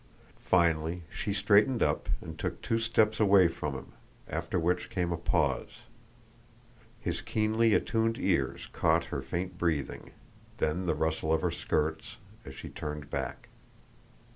Finally she straightened up, and took two steps away from him, after which came a pause. His keenly attuned ears caught her faint breathing, then the rustle of her skirts as she turned back.